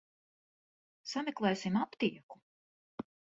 Sameklēsim aptieku.